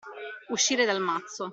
Uscire dal mazzo.